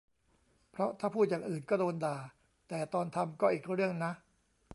เพราะถ้าพูดอย่างอื่นก็โดนด่า แต่ตอนทำก็อีกเรื่องนะ